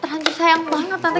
terlanjur sayang banget tante